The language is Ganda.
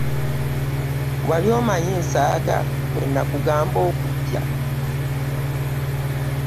Wali omanyi nsaaga bwe nakugamba okujja.